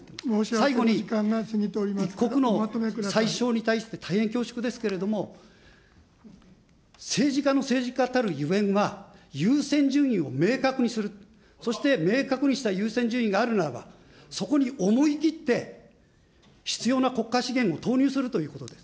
最後に、一国の宰相に対して、大変恐縮ですけれども、政治家の政治家たるゆえんは、優先順位を明確にする、そして、明確にした優先順があるならば、そこに思い切って、必要な国家資源を投入するということです。